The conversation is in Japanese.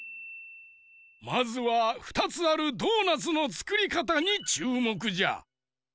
まずは２つあるドーナツのつくりかたにちゅうもくじゃ。